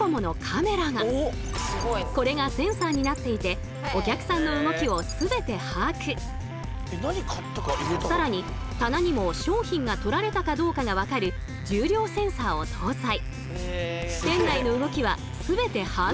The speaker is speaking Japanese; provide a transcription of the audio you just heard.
これがセンサーになっていて更に棚にも商品が取られたかどうかが分かる重量センサーを搭載。